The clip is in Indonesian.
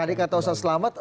kalau tadi kata ustaz selamat